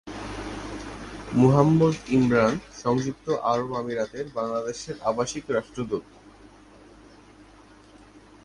মুহাম্মদ ইমরান সংযুক্ত আরব আমিরাতের বাংলাদেশের আবাসিক রাষ্ট্রদূত।